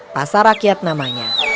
pasar rakyat namanya